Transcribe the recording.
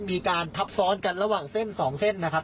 มีการทับซ้อนกันระหว่างเส้นสองเส้นนะครับ